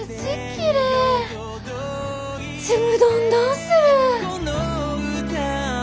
ちむどんどんする。